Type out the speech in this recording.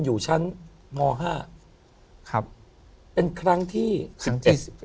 ถูกต้องไหมครับถูกต้องไหมครับ